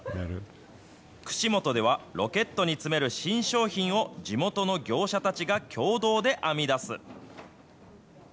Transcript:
串本では、ロケットに詰める新商品を地元の業者たちが協同で編み出す。